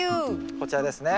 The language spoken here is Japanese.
こちらですね。